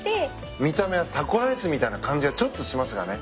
見た目はタコライスみたいな感じがちょっとしますがね。